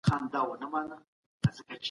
د ژبو ترمنځ د کلمو د ماناوو توپير ته پام وکړئ.